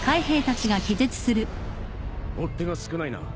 追っ手が少ないな。